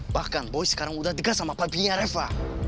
bahkan boy sekarang udah degas sama papinya reva